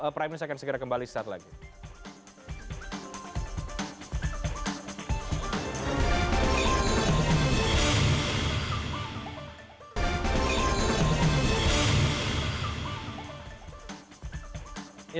prime ini saya akan segera kembali setelah ini